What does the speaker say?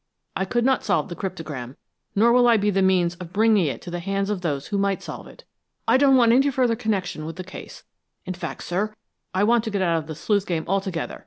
I could not solve the cryptogram, nor will I be the means of bringing it to the hands of those who might solve it. I don't want any further connection with the case; in fact, sir, I want to get out of the sleuth game altogether.